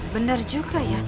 benar juga ya